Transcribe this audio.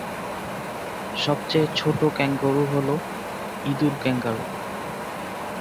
সবচেয়ে ছোট ক্যাঙ্গারু হল ইঁদুর-ক্যাঙ্গারু।